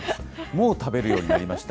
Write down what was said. もう食べるようになりました。